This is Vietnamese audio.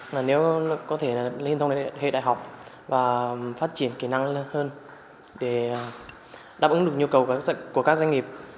nếu có thể là liên thông liên hệ đại học và phát triển kỹ năng hơn để đáp ứng được nhu cầu của các doanh nghiệp